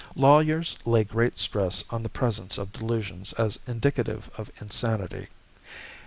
Lawyers lay great stress on the presence of delusions as indicative of insanity.